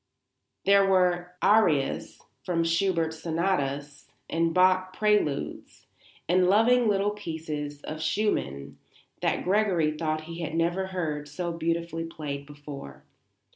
There were Arias from Schubert Sonatas, and Bach Preludes, and loving little pieces of Schumann, that Gregory thought he had never heard so beautifully played before.